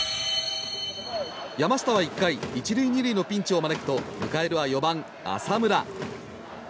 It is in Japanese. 山下は１回１塁２塁のピンチを招くと迎えるは４番、浅村。